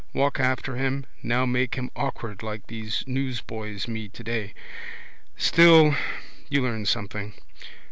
Walk after him now make him awkward like those newsboys me today. Still you learn something.